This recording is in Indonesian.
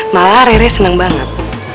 malah rere senang banget